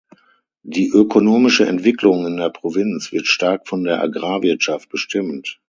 Die ökonomische Entwicklung in der Provinz wird stark von der Agrarwirtschaft bestimmt.